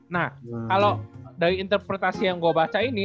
nah kalau dari interpretasi yang gue baca ini